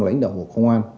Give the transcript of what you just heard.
lãnh đạo bộ công an